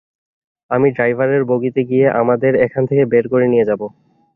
আমি ড্রাইভারের বগিতে গিয়ে আমাদের এখান থেকে বের করে নিয়ে যাবো।